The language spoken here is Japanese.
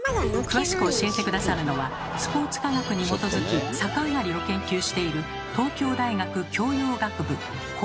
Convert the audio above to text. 詳しく教えて下さるのはスポーツ科学に基づき逆上がりを研究している